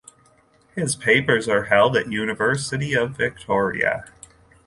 His papers are held at University of Victoria.